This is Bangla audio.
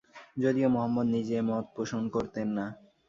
যদিও মহম্মদ নিজে এ মত পোষণ করতেন না।